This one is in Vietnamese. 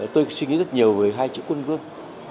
tôi suy nghĩ rất nhiều về hai chữ quân vương